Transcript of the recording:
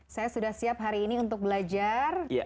saya sudah siap hari ini untuk belajar